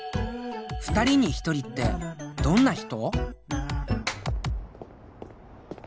２人に１人ってどんな人？